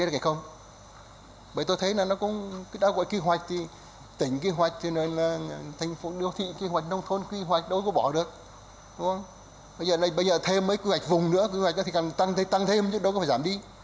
bây giờ thêm mấy quy hoạch vùng nữa quy hoạch đó thì càng tăng thêm chứ đâu có phải giảm đi